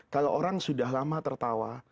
kalau orang sudah lama tertawa